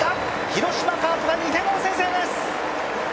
広島カープが２点を先制です。